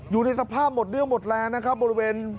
อยู่ในสภาพหมดเนื้อหมดแรงนะครับบริเวณ